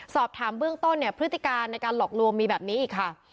สอบถามเบื้องต้นเนี่ยพฤติการในการหลอกลวงมีแบบนี้อีกค่ะ